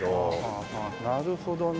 なるほどね。